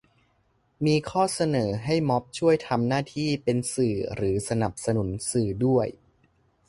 มีข้อเสนอให้ม็อบช่วยทำหน้าที่เป็นสื่อหรือสนับสนุนสื่อด้วย